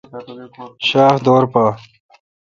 شاَ خ دور پے°